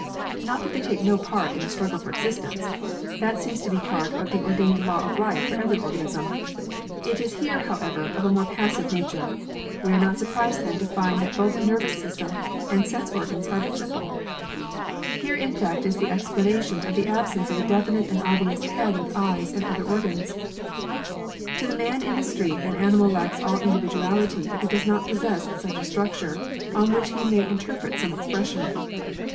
Not that they take no part in a struggle for existence. That seems to be part of the ordained law of life for every organism. It is here, however, more of a passive nature. We are not surprised then to find that both nervous system and sense organs are but simple/ Here in fact is the explanation of the absence of a definite and obvious head with eyes and other organs. To the man in the street an animal lacks all individuality if it does not possess such a structure, on which he may interpret some expression.